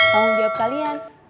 tanggung jawab kalian